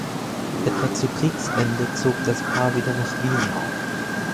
Etwa zu Kriegsende zog das Paar wieder nach Wien.